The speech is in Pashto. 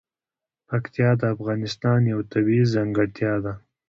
پکتیا د افغانستان یوه طبیعي ځانګړتیا ده.